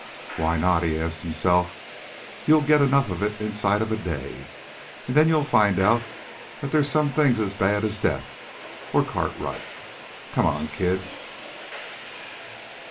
"Why not?" he asked himself. "You'll get enough of it inside of a day. And then you'll find out that they's some things about as bad as death or Cartwright. Come on, kid!"